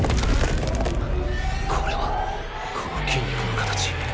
これはこの「筋肉の形」。